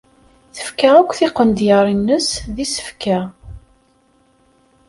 Tefka akk tiqendyar-nnes d isefka.